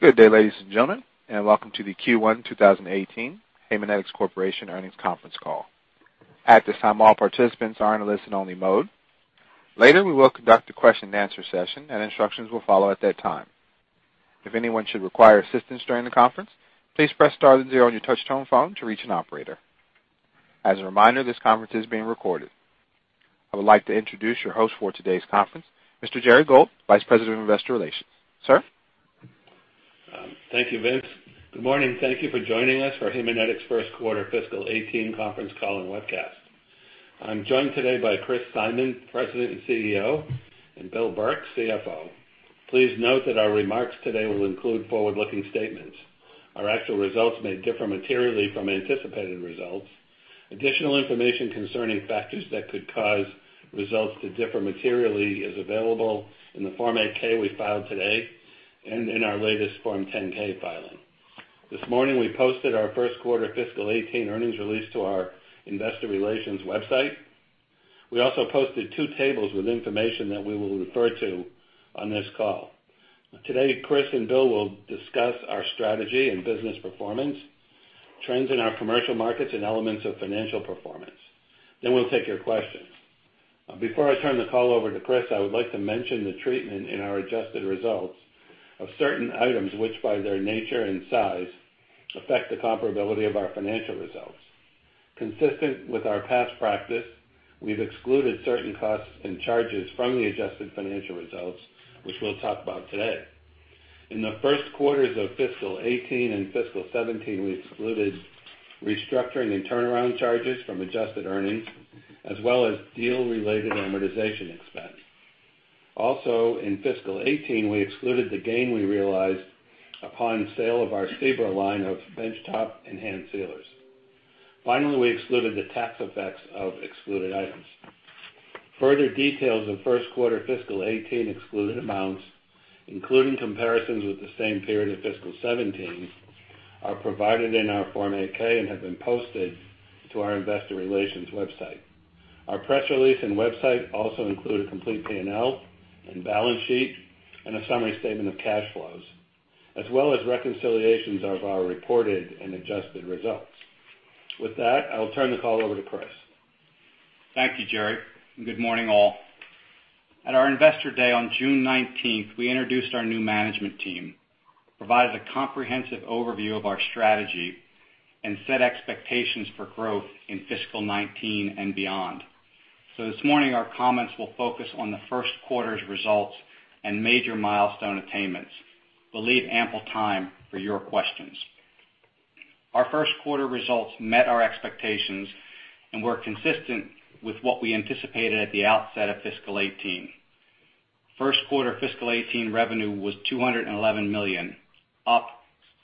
Good day, ladies and gentlemen, and welcome to the Q1 2018 Haemonetics Corporation earnings conference call. At this time, all participants are in a listen only mode. Later, we will conduct a question and answer session, and instructions will follow at that time. If anyone should require assistance during the conference, please press star and zero on your touch-tone phone to reach an operator. As a reminder, this conference is being recorded. I would like to introduce your host for today's conference, Mr. Gerry Gould, Vice President of Investor Relations. Sir? Thank you, Vince. Good morning. Thank you for joining us for Haemonetics' first quarter fiscal 2018 conference call and webcast. I'm joined today by Christopher Simon, President and CEO, and William Burke, CFO. Please note that our remarks today will include forward-looking statements. Our actual results may differ materially from anticipated results. Additional information concerning factors that could cause results to differ materially is available in the Form 8-K we filed today and in our latest Form 10-K filing. This morning, we posted our first quarter fiscal 2018 earnings release to our investor relations website. We also posted two tables with information that we will refer to on this call. Chris and Bill will discuss our strategy and business performance, trends in our commercial markets, and elements of financial performance. We'll take your questions. Before I turn the call over to Chris, I would like to mention the treatment in our adjusted results of certain items, which by their nature and size affect the comparability of our financial results. Consistent with our past practice, we've excluded certain costs and charges from the adjusted financial results, which we'll talk about today. In the first quarters of fiscal 2018 and fiscal 2017, we excluded restructuring and turnaround charges from adjusted earnings, as well as deal-related amortization expense. Also, in fiscal 2018, we excluded the gain we realized upon sale of our SEBRA line of benchtop and hand sealers. Finally, we excluded the tax effects of excluded items. Further details of first quarter fiscal 2018 excluded amounts, including comparisons with the same period of fiscal 2017, are provided in our Form 8-K and have been posted to our investor relations website. Our press release and website also include a complete P&L and balance sheet and a summary statement of cash flows, as well as reconciliations of our reported and adjusted results. With that, I will turn the call over to Chris. Thank you, Gerry, and good morning all. At our Investor Day on June 19th, we introduced our new management team, provided a comprehensive overview of our strategy, and set expectations for growth in fiscal 2019 and beyond. This morning, our comments will focus on the first quarter's results and major milestone attainments. We will leave ample time for your questions. Our first quarter results met our expectations and were consistent with what we anticipated at the outset of fiscal 2018. First quarter fiscal 2018 revenue was $211 million, up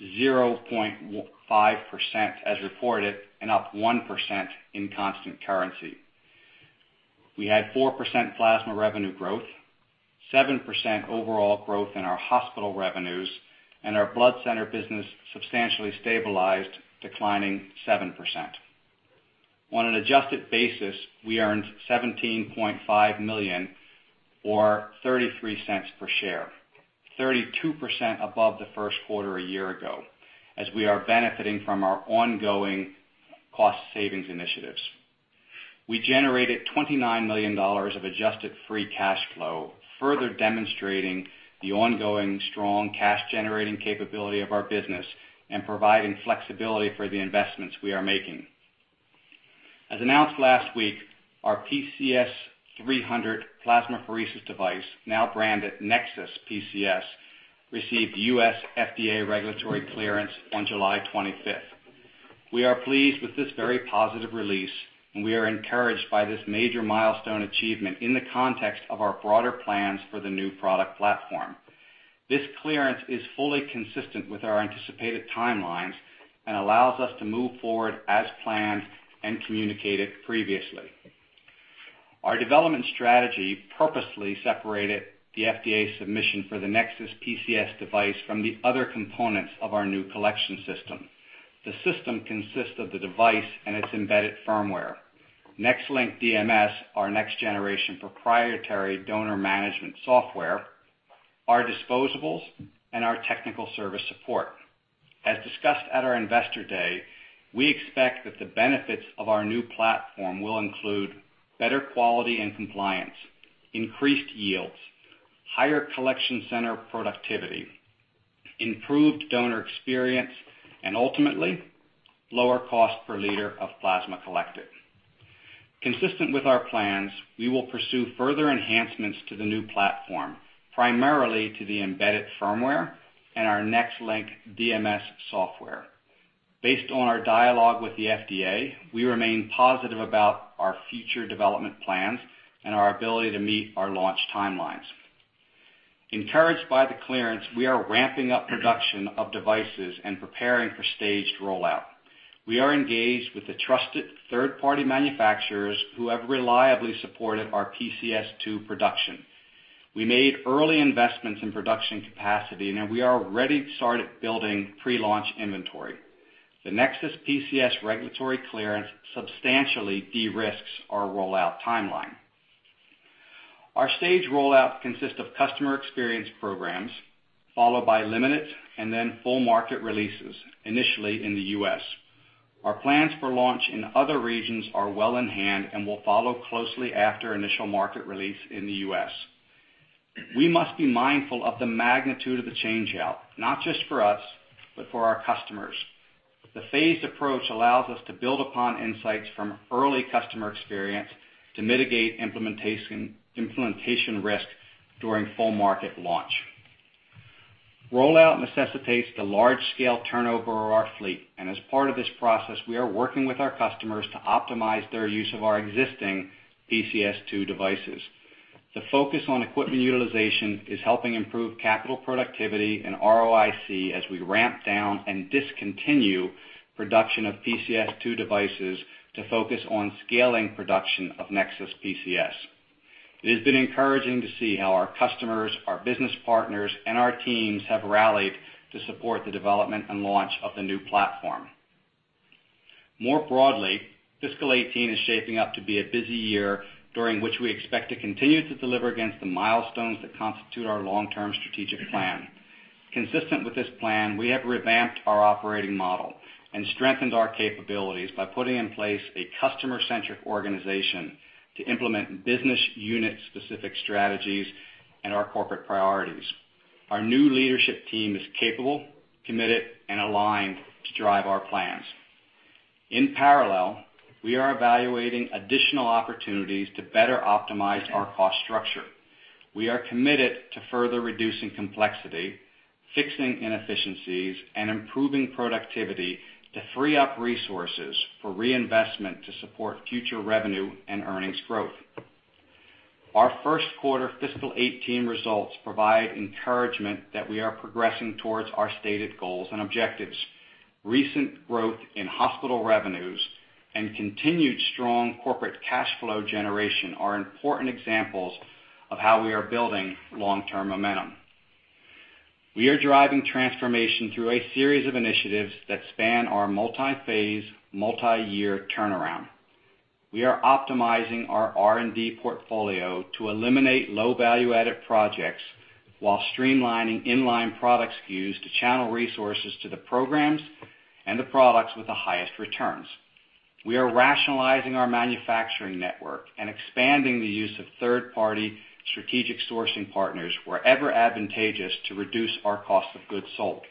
0.5% as reported and up 1% in constant currency. We had 4% plasma revenue growth, 7% overall growth in our hospital revenues, and our blood center business substantially stabilized, declining 7%. On an adjusted basis, we earned $17.5 million or $0.33 per share, 32% above the first quarter a year ago, as we are benefiting from our ongoing cost savings initiatives. We generated $29 million of adjusted free cash flow, further demonstrating the ongoing strong cash-generating capability of our business and providing flexibility for the investments we are making. As announced last week, our PCS 300 plasmapheresis device, now branded NexSys PCS, received U.S. FDA regulatory clearance on July 25th. We are pleased with this very positive release, and we are encouraged by this major milestone achievement in the context of our broader plans for the new product platform. This clearance is fully consistent with our anticipated timelines and allows us to move forward as planned and communicated previously. Our development strategy purposely separated the FDA submission for the NexSys PCS device from the other components of our new collection system. The system consists of the device and its embedded firmware, NexLynk DMS, our next-generation proprietary donor management software, our disposables, and our technical service support. As discussed at our Investor Day, we expect that the benefits of our new platform will include better quality and compliance, increased yields, higher collection center productivity, improved donor experience, and ultimately, lower cost per liter of plasma collected. Consistent with our plans, we will pursue further enhancements to the new platform, primarily to the embedded firmware and our NexLynk DMS software. Based on our dialogue with the FDA, we remain positive about our future development plans and our ability to meet our launch timelines. Encouraged by the clearance, we are ramping up production of devices and preparing for staged rollout. We are engaged with the trusted third-party manufacturers who have reliably supported our PCS2 production. We made early investments in production capacity, and we already started building pre-launch inventory. The NexSys PCS regulatory clearance substantially de-risks our rollout timeline. Our stage rollout consists of customer experience programs, followed by limited and then full market releases, initially in the U.S. Our plans for launch in other regions are well in hand and will follow closely after initial market release in the U.S. We must be mindful of the magnitude of the changeout, not just for us, but for our customers. The phased approach allows us to build upon insights from early customer experience to mitigate implementation risk during full market launch. Rollout necessitates the large-scale turnover of our fleet, and as part of this process, we are working with our customers to optimize their use of our existing PCS2 devices. The focus on equipment utilization is helping improve capital productivity and ROIC as we ramp down and discontinue production of PCS2 devices to focus on scaling production of NexSys PCS. It has been encouraging to see how our customers, our business partners, and our teams have rallied to support the development and launch of the new platform. More broadly, fiscal 2018 is shaping up to be a busy year, during which we expect to continue to deliver against the milestones that constitute our long-term strategic plan. Consistent with this plan, we have revamped our operating model and strengthened our capabilities by putting in place a customer-centric organization to implement business unit specific strategies and our corporate priorities. Our new leadership team is capable, committed, and aligned to drive our plans. In parallel, we are evaluating additional opportunities to better optimize our cost structure. We are committed to further reducing complexity, fixing inefficiencies, and improving productivity to free up resources for reinvestment to support future revenue and earnings growth. Our first quarter fiscal 2018 results provide encouragement that we are progressing towards our stated goals and objectives. Recent growth in hospital revenues and continued strong corporate cash flow generation are important examples of how we are building long-term momentum. We are driving transformation through a series of initiatives that span our multi-phase, multi-year turnaround. We are optimizing our R&D portfolio to eliminate low value-added projects while streamlining in-line product SKUs to channel resources to the programs and the products with the highest returns. We are rationalizing our manufacturing network and expanding the use of third-party strategic sourcing partners, wherever advantageous to reduce our cost of goods sold.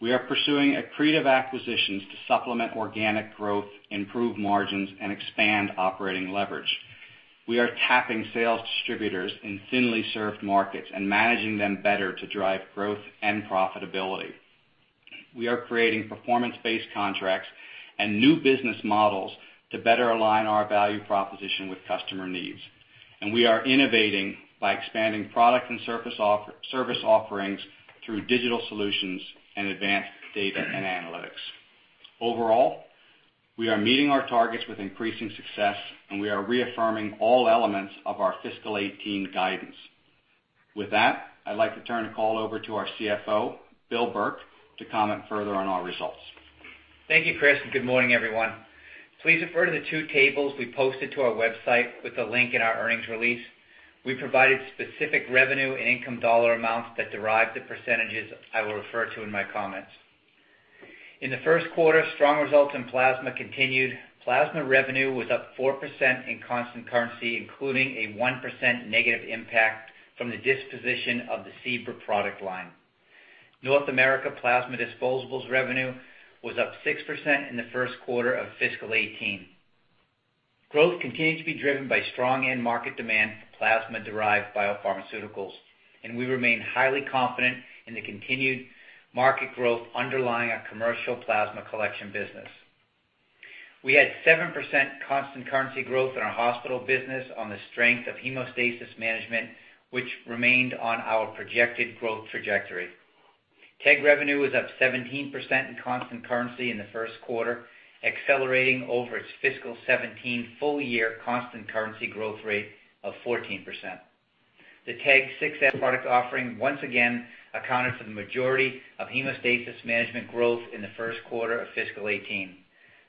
We are pursuing accretive acquisitions to supplement organic growth, improve margins, and expand operating leverage. We are tapping sales distributors in thinly served markets and managing them better to drive growth and profitability. We are creating performance-based contracts and new business models to better align our value proposition with customer needs. We are innovating by expanding product and service offerings through digital solutions and advanced data and analytics. Overall, we are meeting our targets with increasing success, and we are reaffirming all elements of our fiscal 2018 guidance. With that, I'd like to turn the call over to our CFO, Bill Burke, to comment further on our results. Thank you, Chris, and good morning, everyone. Please refer to the two tables we posted to our website with the link in our earnings release. We provided specific revenue and income dollar amounts that derive the percentages I will refer to in my comments. In the first quarter, strong results in plasma continued. Plasma revenue was up 4% in constant currency, including a 1% negative impact from the disposition of the SEBRA product line. North America plasma disposables revenue was up 6% in the first quarter of fiscal 2018. Growth continued to be driven by strong end market demand for plasma-derived biopharmaceuticals, and we remain highly confident in the continued market growth underlying our commercial plasma collection business. We had 7% constant currency growth in our hospital business on the strength of hemostasis management, which remained on our projected growth trajectory. TEG revenue was up 17% in constant currency in the first quarter, accelerating over its fiscal 2017 full year constant currency growth rate of 14%. The TEG 6s product offering once again accounted for the majority of hemostasis management growth in the first quarter of fiscal 2018.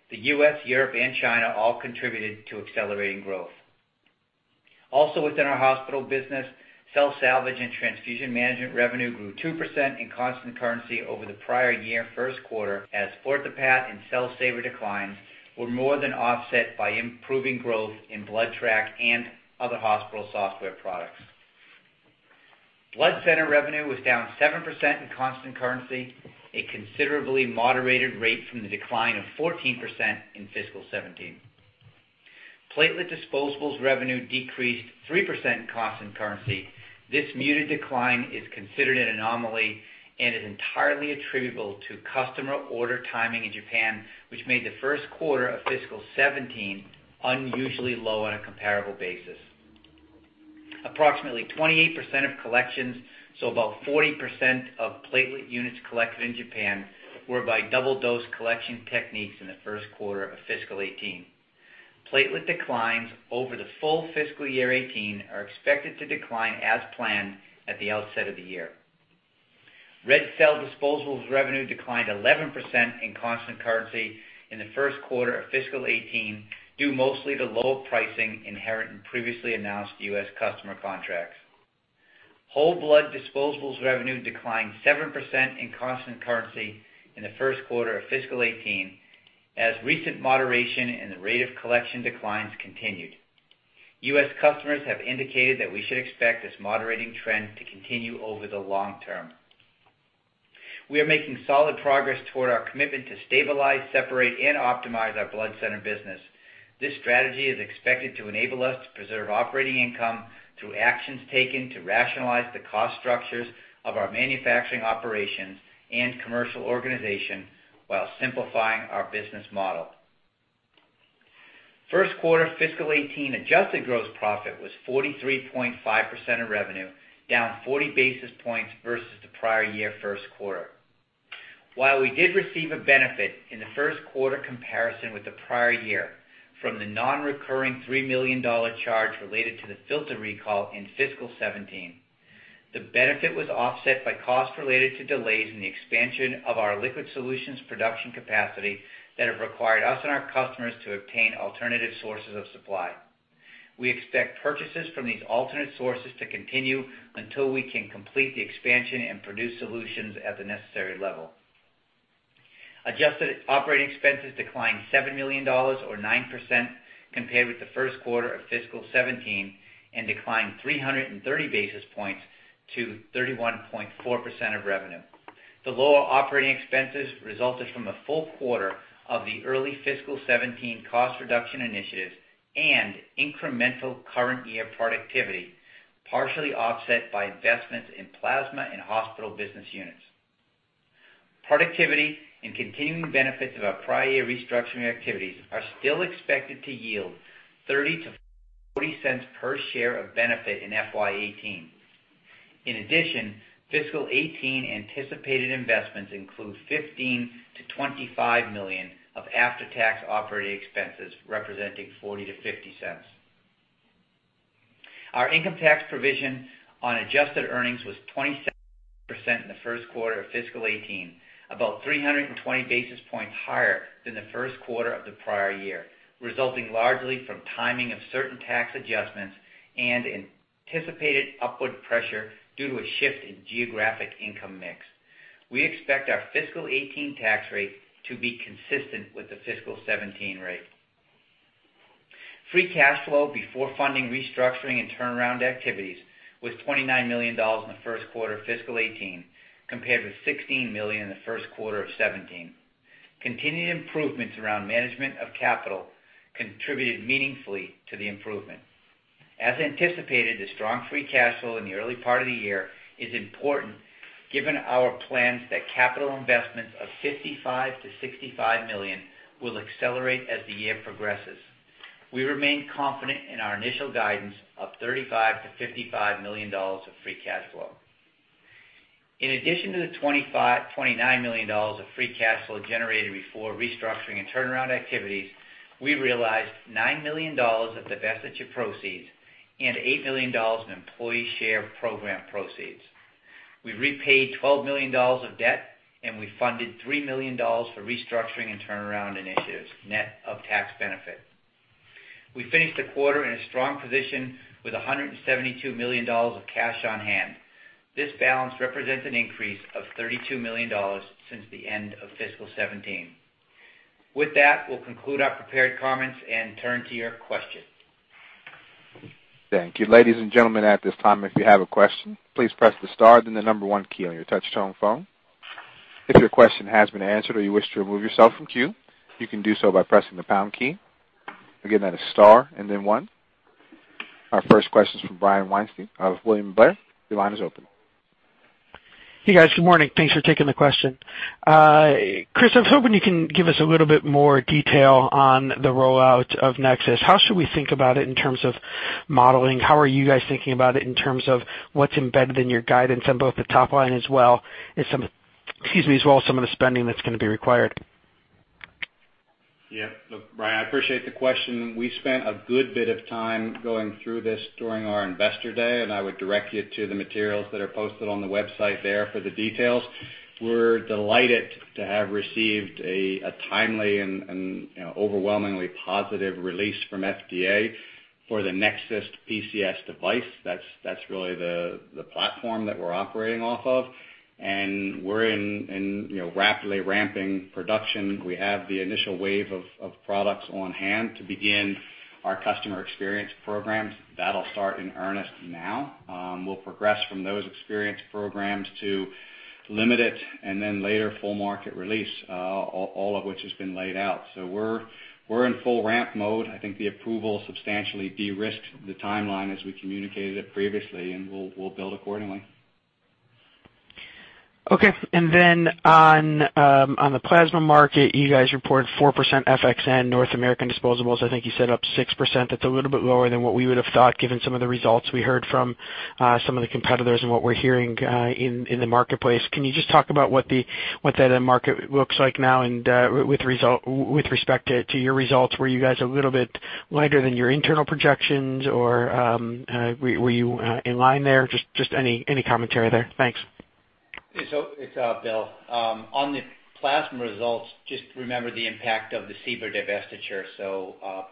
The U.S., Europe, and China all contributed to accelerating growth. Also within our hospital business, cell salvage and transfusion management revenue grew 2% in constant currency over the prior year first quarter as FortiPath and Cell Saver declines were more than offset by improving growth in BloodTrack and other hospital software products. Blood center revenue was down 7% in constant currency, a considerably moderated rate from the decline of 14% in fiscal 2017. Platelet disposables revenue decreased 3% in constant currency. This muted decline is considered an anomaly and is entirely attributable to customer order timing in Japan, which made the first quarter of fiscal 2017 unusually low on a comparable basis. Approximately 28% of collections, so about 40% of platelet units collected in Japan, were by double dose collection techniques in the first quarter of fiscal 2018. Platelet declines over the full fiscal year 2018 are expected to decline as planned at the outset of the year. Red cell disposables revenue declined 11% in constant currency in the first quarter of fiscal 2018, due mostly to lower pricing inherent in previously announced U.S. customer contracts. Whole blood disposables revenue declined 7% in constant currency in the first quarter of fiscal 2018, as recent moderation in the rate of collection declines continued. U.S. customers have indicated that we should expect this moderating trend to continue over the long term. We are making solid progress toward our commitment to stabilize, separate, and optimize our blood center business. This strategy is expected to enable us to preserve operating income through actions taken to rationalize the cost structures of our manufacturing operations and commercial organization while simplifying our business model. First quarter fiscal 2018 adjusted gross profit was 43.5% of revenue, down 40 basis points versus the prior year first quarter. While we did receive a benefit in the first quarter comparison with the prior year from the non-recurring $3 million charge related to the filter recall in fiscal 2017, the benefit was offset by costs related to delays in the expansion of our liquid solutions production capacity that have required us and our customers to obtain alternative sources of supply. We expect purchases from these alternate sources to continue until we can complete the expansion and produce solutions at the necessary level. Adjusted operating expenses declined $7 million, or 9%, compared with the first quarter of fiscal 2017, and declined 330 basis points to 31.4% of revenue. The lower operating expenses resulted from the full quarter of the early fiscal 2017 cost reduction initiatives and incremental current year productivity, partially offset by investments in plasma and hospital business units. Productivity and continuing benefits of our prior year restructuring activities are still expected to yield $0.30 to $0.40 per share of benefit in FY 2018. In addition, fiscal 2018 anticipated investments include $15 million to $25 million of after-tax operating expenses, representing $0.40 to $0.50. Our income tax provision on adjusted earnings was 27% in the first quarter of fiscal 2018, about 320 basis points higher than the first quarter of the prior year, resulting largely from timing of certain tax adjustments and anticipated upward pressure due to a shift in geographic income mix. We expect our fiscal 2018 tax rate to be consistent with the fiscal 2017 rate. Free cash flow before funding restructuring and turnaround activities was $29 million in the first quarter of fiscal 2018, compared with $16 million in the first quarter of 2017. Continued improvements around management of capital contributed meaningfully to the improvement. As anticipated, the strong free cash flow in the early part of the year is important given our plans that capital investments of $55 million-$65 million will accelerate as the year progresses. We remain confident in our initial guidance of $35 million-$55 million of free cash flow. In addition to the $29 million of free cash flow generated before restructuring and turnaround activities, we realized $9 million of divestiture proceeds and $8 million in employee share program proceeds. We repaid $12 million of debt, we funded $3 million for restructuring and turnaround initiatives, net of tax benefit. We finished the quarter in a strong position with $172 million of cash on hand. This balance represents an increase of $32 million since the end of fiscal 2017. With that, we'll conclude our prepared comments and turn to your questions. Thank you. Ladies and gentlemen, at this time, if you have a question, please press the star then the number one key on your touch-tone phone. If your question has been answered or you wish to remove yourself from queue, you can do so by pressing the pound key. Again, that is star and then one. Our first question is from Brian Weinstein of William Blair. Your line is open. Hey, guys. Good morning. Thanks for taking the question. Chris, I was hoping you can give us a little bit more detail on the rollout of NexSys. How should we think about it in terms of modeling? How are you guys thinking about it in terms of what's embedded in your guidance on both the top line as well some of the spending that's going to be required? Brian, I appreciate the question. We spent a good bit of time going through this during our Investor Day, and I would direct you to the materials that are posted on the website there for the details. We're delighted to have received a timely and overwhelmingly positive release from FDA for the NexSys PCS device. That's really the platform that we're operating off of. We're in rapidly ramping production. We have the initial wave of products on-hand to begin our customer experience programs. That'll start in earnest now. We'll progress from those experience programs to limited and then later full market release, all of which has been laid out. We're in full ramp mode. I think the approval substantially de-risked the timeline as we communicated it previously, and we'll build accordingly. On the plasma market, you guys reported 4% FX and North American disposables, I think you said up 6%. That's a little bit lower than what we would have thought given some of the results we heard from some of the competitors and what we're hearing in the marketplace. Can you just talk about what that end market looks like now and with respect to your results, were you guys a little bit lighter than your internal projections, or were you in line there? Just any commentary there. Thanks. It's Bill. On the plasma results, just remember the impact of the SEBRA divestiture.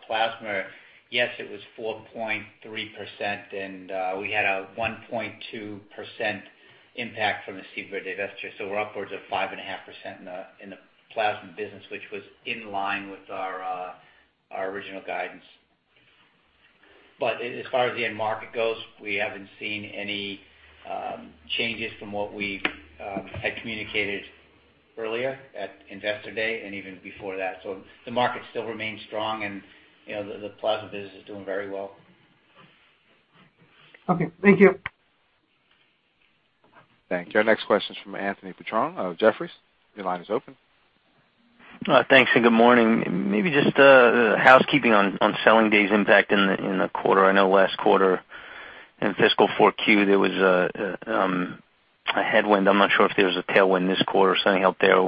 Plasma, yes, it was 4.3%, and we had a 1.2% impact from the SEBRA divestiture, so we're upwards of 5.5% in the plasma business, which was in line with our original guidance. As far as the end market goes, we haven't seen any changes from what we had communicated earlier at Investor Day and even before that. The market still remains strong, and the plasma business is doing very well. Thank you. Thank you. Our next question's from Anthony Petrone of Jefferies. Your line is open. Thanks, and good morning. Maybe just housekeeping on selling days impact in the quarter. I know last quarter, in fiscal 4Q, there was a headwind. I'm not sure if there was a tailwind this quarter. Any help there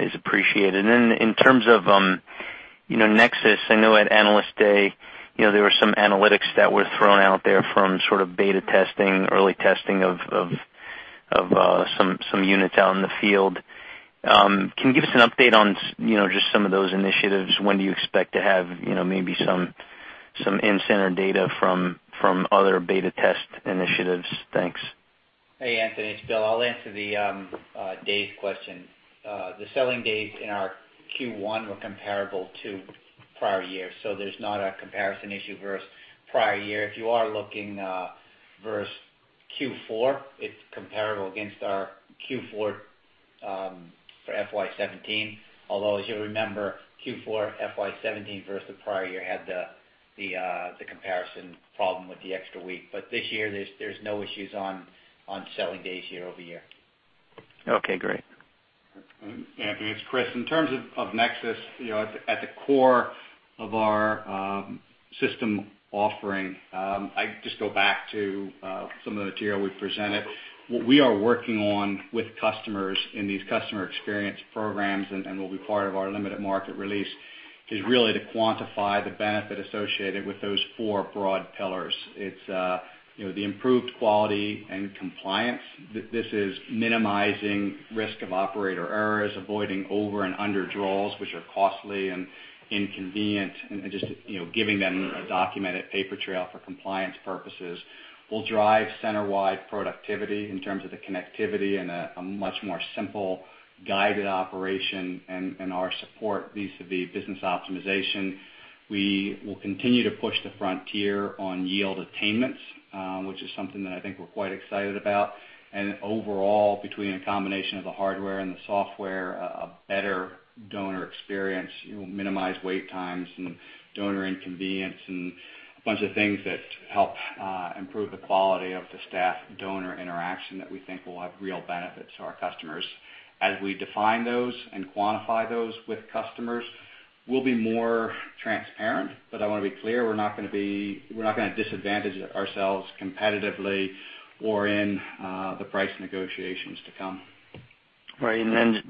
is appreciated. Then, in terms of NexSys, I know at Analyst Day, there were some analytics that were thrown out there from sort of beta testing, early testing of some units out in the field. Can you give us an update on just some of those initiatives? When do you expect to have maybe some in-center data from other beta test initiatives? Thanks. Hey, Anthony, it's Bill. I'll answer the days question. The selling days in our Q1 were comparable to prior years, so there's not a comparison issue versus prior year. If you are looking versus Q4, it's comparable against our Q4 for FY 2017. As you'll remember, Q4 FY 2017 versus the prior year had the comparison problem with the extra week. This year, there's no issues on selling days year-over-year. Okay, great. Anthony, it's Chris. In terms of NexSys, at the core of our system offering, I just go back to some of the material we presented. What we are working on with customers in these customer experience programs, and will be part of our limited market release, is really to quantify the benefit associated with those four broad pillars. It's the improved quality and compliance. This is minimizing risk of operator errors, avoiding over and under draws, which are costly and inconvenient, and just giving them a documented paper trail for compliance purposes. We'll drive center-wide productivity in terms of the connectivity and a much more simple guided operation and our support vis-a-vis business optimization. We will continue to push the frontier on yield attainments, which is something that I think we're quite excited about. Overall, between a combination of the hardware and the software, a better donor experience. Minimize wait times and donor inconvenience and a bunch of things that help improve the quality of the staff-donor interaction that we think will have real benefit to our customers. As we define those and quantify those with customers, we'll be more transparent. I want to be clear, we're not going to disadvantage ourselves competitively or in the price negotiations to come. Right.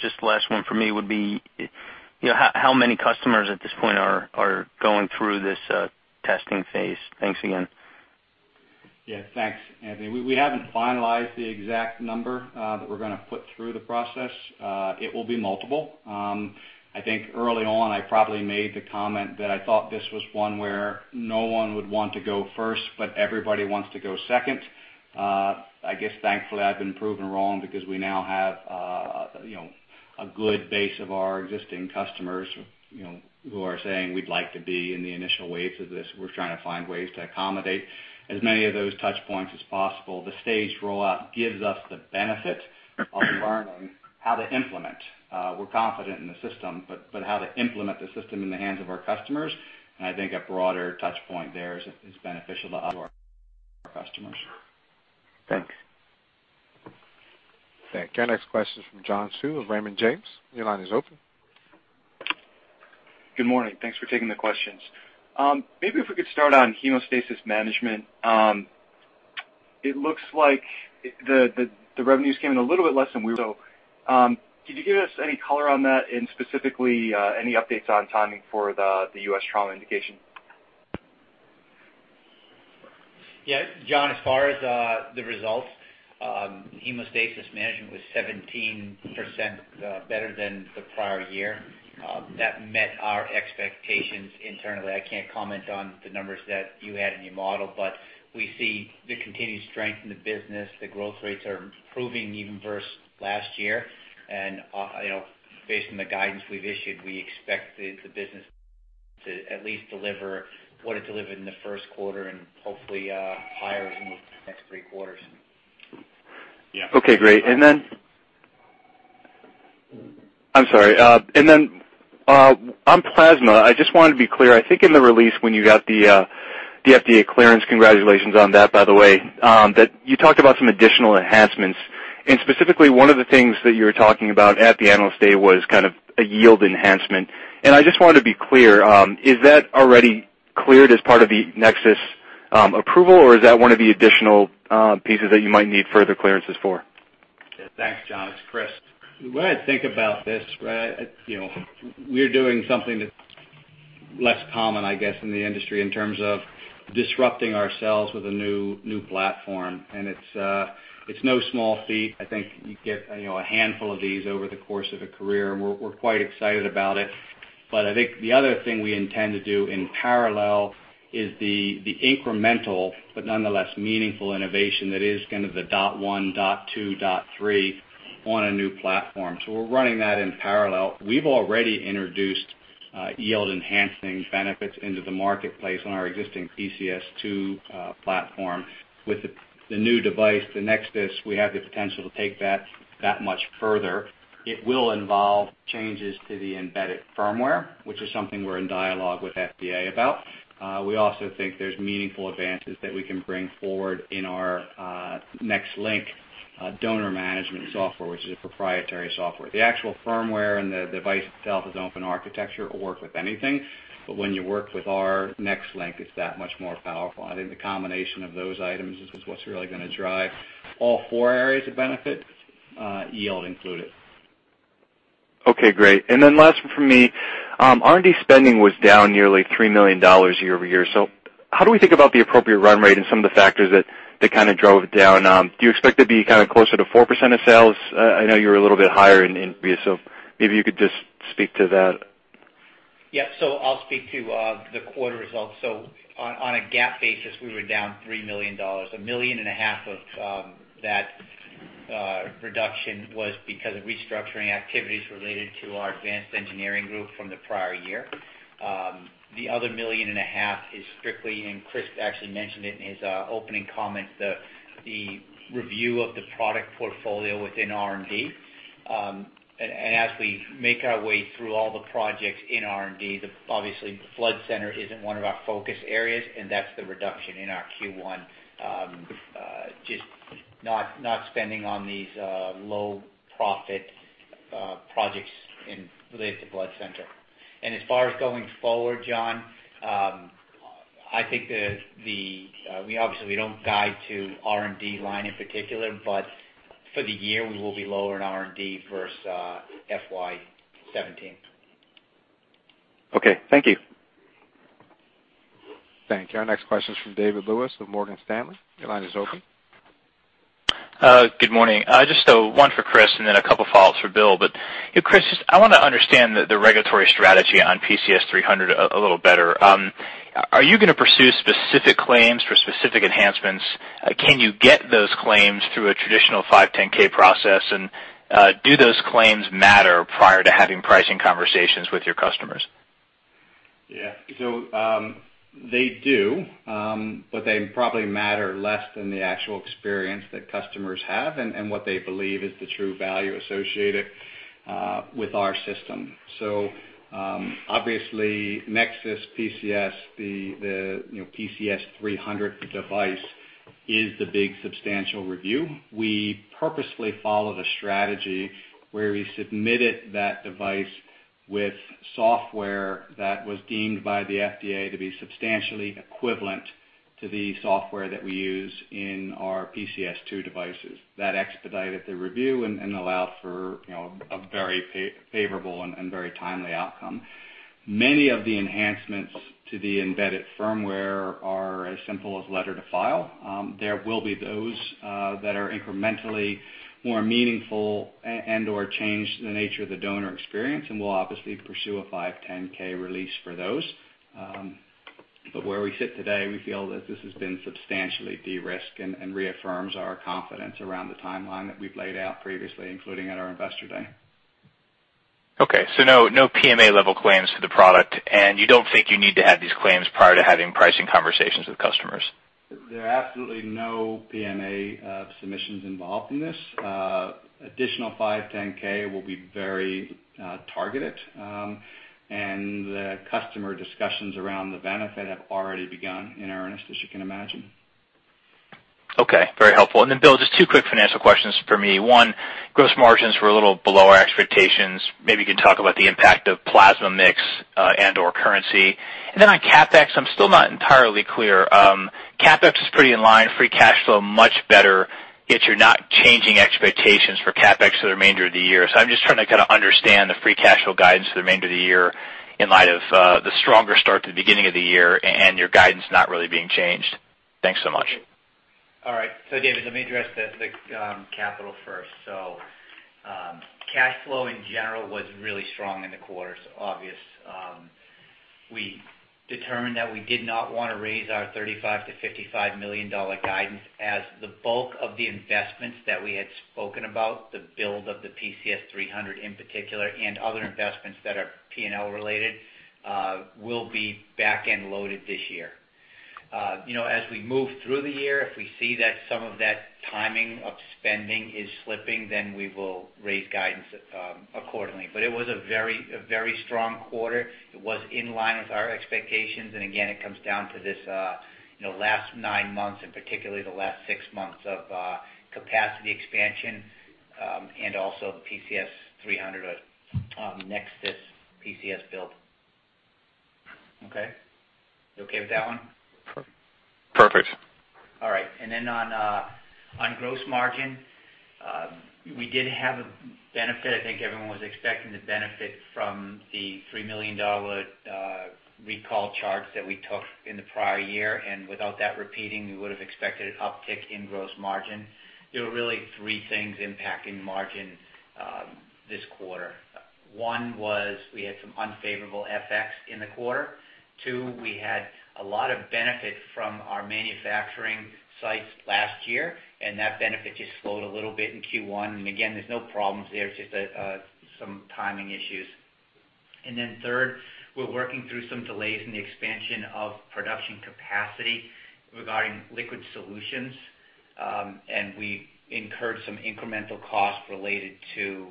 Just last one for me would be, how many customers at this point are going through this testing phase? Thanks again. Yeah, thanks, Anthony. We haven't finalized the exact number that we're going to put through the process. It will be multiple. I think early on, I probably made the comment that I thought this was one where no one would want to go first, but everybody wants to go second. I guess, thankfully, I've been proven wrong because we now have a good base of our existing customers who are saying, "We'd like to be in the initial waves of this." We're trying to find ways to accommodate as many of those touch points as possible. The staged rollout gives us the benefit of learning how to implement. We're confident in the system, but how to implement the system in the hands of our customers, and I think a broader touch point there is beneficial to our customers. Thanks. Thank you. Our next question is from John Hsu of Raymond James. Your line is open. Good morning. Thanks for taking the questions. Maybe if we could start on hemostasis management. It looks like the revenues came in a little bit less than we. Could you give us any color on that, and specifically any updates on timing for the U.S. trauma indication? Yeah, John, as far as the results, hemostasis management was 17% better than the prior year. That met our expectations internally. I can't comment on the numbers that you had in your model, but we see the continued strength in the business. The growth rates are improving even versus last year. Based on the guidance we've issued, we expect the business to at least deliver what it delivered in the first quarter and hopefully higher in the next three quarters. Okay, great. Then, on plasma, I just wanted to be clear. I think in the release when you got the FDA clearance, congratulations on that by the way, that you talked about some additional enhancements, and specifically one of the things that you were talking about at the Analyst Day was kind of a yield enhancement. I just wanted to be clear, is that already cleared as part of the NexSys approval, or is that one of the additional pieces that you might need further clearances for? Thanks, John. It's Chris. The way I think about this, we're doing something that's less common, I guess, in the industry in terms of disrupting ourselves with a new platform. It's no small feat. I think you get a handful of these over the course of a career, and we're quite excited about it. But I think the other thing we intend to do in parallel is the incremental, but nonetheless meaningful innovation that is kind of the dot one, dot two, dot three on a new platform. So we're running that in parallel. We've already introduced yield-enhancing benefits into the marketplace on our existing PCS2 platform. With the new device, the NexSys, we have the potential to take that that much further. It will involve changes to the embedded firmware, which is something we're in dialogue with FDA about. We also think there's meaningful advances that we can bring forward in our NexLynk donor management software, which is a proprietary software. The actual firmware and the device itself is open architecture. It will work with anything. But when you work with our NexLynk, it's that much more powerful. I think the combination of those items is what's really going to drive all four areas of benefit, yield included. Okay, great. Last one from me. R&D spending was down nearly $3 million year-over-year. So how do we think about the appropriate run rate and some of the factors that drove it down? Do you expect it to be closer to 4% of sales? I know you were a little bit higher in previous, so maybe you could just speak to that. Yeah. So I'll speak to the quarter results. So on a GAAP basis, we were down $3 million. $1.5 million of that reduction was because of restructuring activities related to our advanced engineering group from the prior year. The other $1.5 million is strictly, and Chris actually mentioned it in his opening comments, the review of the product portfolio within R&D. As we make our way through all the projects in R&D, obviously blood center isn't one of our focus areas, and that's the reduction in our Q1, just not spending on these low-profit projects related to blood center. As far as going forward, John, obviously we don't guide to R&D line in particular, but for the year, we will be lower in R&D versus FY 2017. Okay. Thank you. Thank you. Our next question's from David Lewis with Morgan Stanley. Your line is open. Good morning. Just one for Chris and then a couple follows for Bill. Chris, I want to understand the regulatory strategy on PCS300 a little better. Are you going to pursue specific claims for specific enhancements? Can you get those claims through a traditional 510 process? Do those claims matter prior to having pricing conversations with your customers? Yeah. They do, but they probably matter less than the actual experience that customers have and what they believe is the true value associated with our system. Obviously NexSys PCS, the PCS300 device is the big substantial review. We purposefully followed a strategy where we submitted that device with software that was deemed by the FDA to be substantially equivalent to the software that we use in our PCS2 devices. That expedited the review and allowed for a very favorable and very timely outcome. Many of the enhancements to the embedded firmware are as simple as letter to file. There will be those that are incrementally more meaningful and/or change the nature of the donor experience, we'll obviously pursue a 510 release for those. Where we sit today, we feel that this has been substantially de-risked and reaffirms our confidence around the timeline that we've laid out previously, including at our investor day. Okay. No PMA-level claims for the product, and you don't think you need to have these claims prior to having pricing conversations with customers? There are absolutely no PMA submissions involved in this. Additional 510(k) will be very targeted, and the customer discussions around the benefit have already begun in earnest, as you can imagine. Okay. Very helpful. Then Bill, just two quick financial questions for me. One, gross margins were a little below our expectations. Maybe you can talk about the impact of plasma mix and/or currency. On CapEx, I'm still not entirely clear. CapEx is pretty in line, free cash flow much better, yet you're not changing expectations for CapEx for the remainder of the year. I'm just trying to understand the free cash flow guidance for the remainder of the year in light of the stronger start to the beginning of the year and your guidance not really being changed. Thanks so much. All right. David, let me address the capital first. Cash flow in general was really strong in the quarter. We determined that we did not want to raise our $35 million-$55 million guidance as the bulk of the investments that we had spoken about, the build of the PCS300 in particular, and other investments that are P&L related, will be back-end loaded this year. We move through the year, if we see that some of that timing of spending is slipping, then we will raise guidance accordingly. It was a very strong quarter. It was in line with our expectations, and again, it comes down to this last nine months and particularly the last six months of capacity expansion, and also the PCS300 NexSys PCS build. Okay? You okay with that one? Perfect. Right. Then on gross margin, we did have a benefit. I think everyone was expecting the benefit from the $3 million recall charge that we took in the prior year. Without that repeating, we would've expected an uptick in gross margin. There were really three things impacting margin this quarter. One was we had some unfavorable FX in the quarter. Two, we had a lot of benefit from our manufacturing sites last year, and that benefit just slowed a little bit in Q1. Again, there's no problems there, it's just some timing issues. Then third, we're working through some delays in the expansion of production capacity regarding liquid solutions. We incurred some incremental costs related to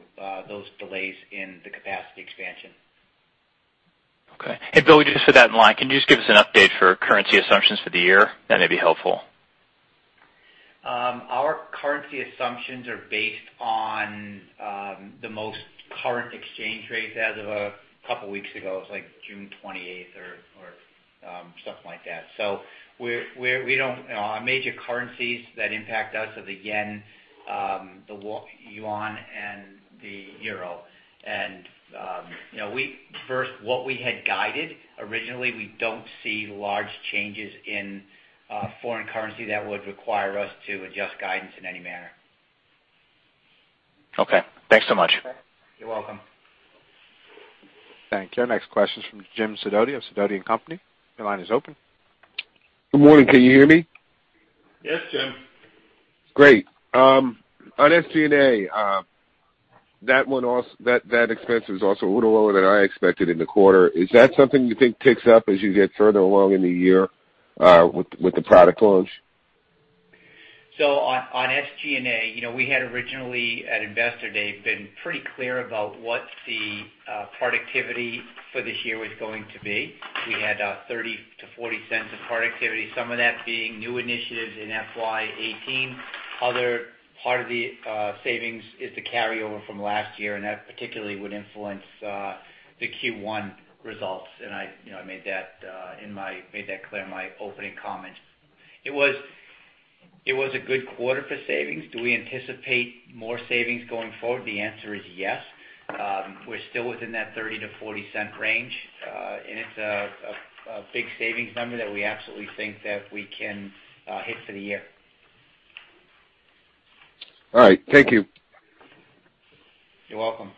those delays in the capacity expansion. Okay. Bill, just for that in line, can you just give us an update for currency assumptions for the year? That may be helpful. Our currency assumptions are based on the most current exchange rates as of a couple of weeks ago. It was like June 28th or something like that. Our major currencies that impact us are the yen, the yuan, and the euro. First, what we had guided originally, we don't see large changes in foreign currency that would require us to adjust guidance in any manner. Okay. Thanks so much. You're welcome. Thank you. Our next question's from Jim Sidoti of Sidoti & Company. Your line is open. Good morning. Can you hear me? Yes, Jim. Great. On SG&A, that expense was also a little lower than I expected in the quarter. Is that something you think ticks up as you get further along in the year with the product launch? On SG&A, we had originally, at Investor Day, been pretty clear about what the productivity for this year was going to be. We had $0.30 to $0.40 of productivity, some of that being new initiatives in FY 2018. Other part of the savings is the carryover from last year, and that particularly would influence the Q1 results. I made that clear in my opening comments. It was a good quarter for savings. Do we anticipate more savings going forward? The answer is yes. We're still within that $0.30 to $0.40 range. It's a big savings number that we absolutely think that we can hit for the year. All right. Thank you. You're welcome.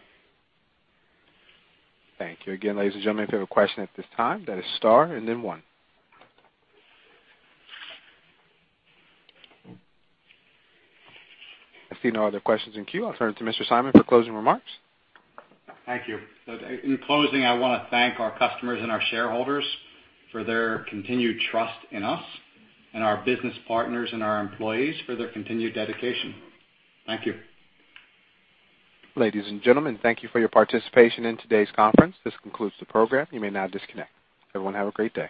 Thank you again, ladies and gentlemen. If you have a question at this time, that is star and then one. I see no other questions in queue. I'll turn it to Mr. Simon for closing remarks. Thank you. In closing, I want to thank our customers and our shareholders for their continued trust in us, and our business partners and our employees for their continued dedication. Thank you. Ladies and gentlemen, thank you for your participation in today's conference. This concludes the program. You may now disconnect. Everyone have a great day.